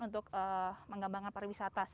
untuk mengembangkan pariwisata